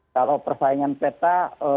kalau persaingan peta